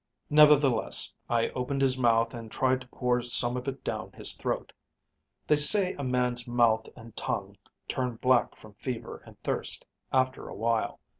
"Nevertheless, I opened his mouth and tried to pour some of it down his throat. They say a man's mouth and tongue turn black from fever and thirst after a while.